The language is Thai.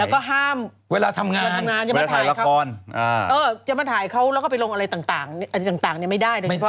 เออจะมาถ่ายเขาแล้วก็ไปลงอะไรต่างไม่ได้